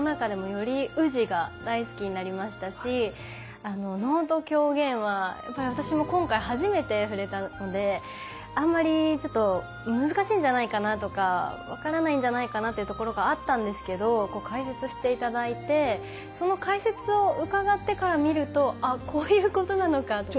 その中でも能と狂言はやっぱり私も今回初めて触れたのであんまりちょっと難しいんじゃないかなとか分からないんじゃないかなっていうところがあったんですけどこう解説していただいてその解説を伺ってから見ると「あっこういうことなのか」とか。